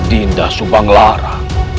dinda subang lara